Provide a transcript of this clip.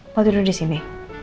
mau tidur di sini